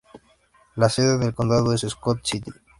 La sede del condado es Scott City.